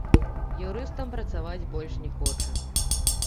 Юрыстам працаваць больш не хоча.